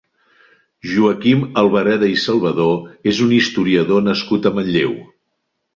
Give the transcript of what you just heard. Joaquim Albareda i Salvadó és un historiador nascut a Manlleu.